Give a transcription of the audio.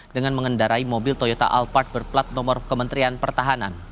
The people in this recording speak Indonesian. dengan mengendarai mobil toyota alphard berplat nomor kementerian pertahanan